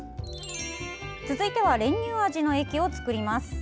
続いては、練乳味の液を作ります。